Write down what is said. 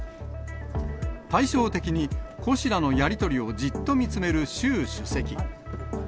対照的に、胡氏らのやり取りをじっと見つめる習主席。